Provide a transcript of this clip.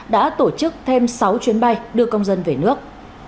đã tổ chức thêm sáu chuyến bay đưa công dân về nước